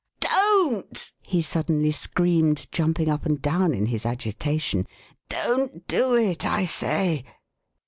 DONT !'* he suddenly screamed, jumping up and down in his agita tion. Don't do it, I say."